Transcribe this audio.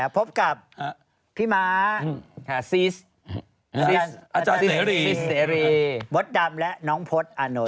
พบกับพี่ม้าซีซเซรีบ๊อตดำและน้องพลดอานนท์